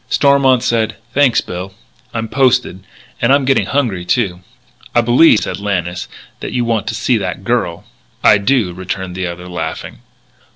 Stormont said: "Thanks, Bill; I'm posted.... And I'm getting hungry, too." "I believe," said Lannis, "that you want to see that girl." "I do," returned the other, laughing.